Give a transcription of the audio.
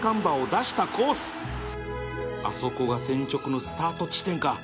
あそこが千直のスタート地点か